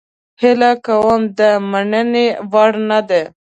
هیله کوم د مننې وړ نه ده.